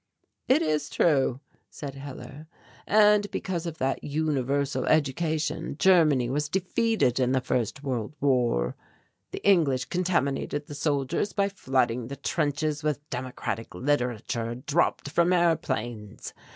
"It is true," said Hellar, "and because of that universal education Germany was defeated in the First World War. The English contaminated the soldiers by flooding the trenches with democratic literature dropped from airplanes.